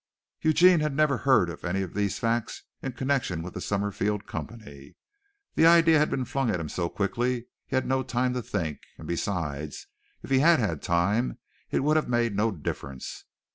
Eugene had never heard of any of these facts in connection with the Summerfield Company. The idea had been flung at him so quickly he had no time to think, and besides if he had had time it would have made no difference.